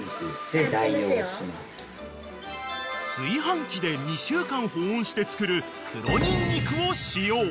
［炊飯器で２週間保温して作る黒ニンニクを使用］